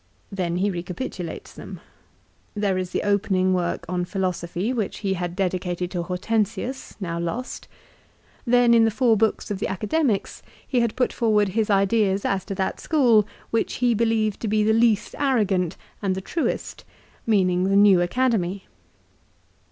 2 Then he recapitulates them. There is the opening work on philosophy which he had dedicated to Hortensius, now lost. Then in the four books of the Academics he had put forward his ideas as to that school which he believed to be the least arrogant and the truest ; meaning the new Academy.